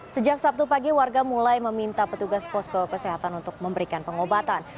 sejak sabtu pagi warga mulai meminta petugas posko kesehatan untuk memberikan pengobatan